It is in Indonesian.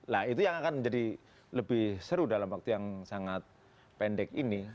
nah itu yang akan menjadi lebih seru dalam waktu yang sangat pendek ini